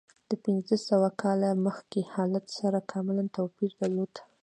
د پنځه سوه کاله مخکې حالت سره کاملا توپیر درلود.